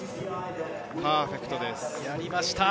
パーフェクトです。